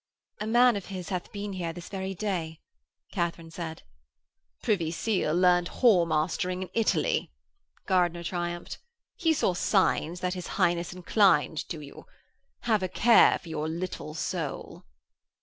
'A man of his hath been here this very day,' Katharine said. 'Privy Seal learned whoremastering in Italy,' Gardiner cried triumphantly. 'He saw signs that his Highness inclined to you. Have a care for your little soul.'